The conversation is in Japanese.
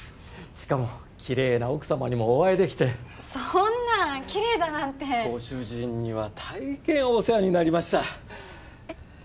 しかもキレイな奥様にもお会いできてそんなキレイだなんてご主人には大変お世話になりましたえっ？